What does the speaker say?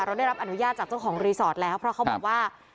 ได้รับอนุญาตจากเจ้าของรีสอร์ทแล้วเพราะเขาบอกว่า